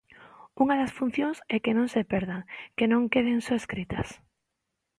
Unha das funcións é que non se perdan, que non queden só escritas.